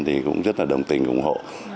thì cũng rất là đồng tình ủng hộ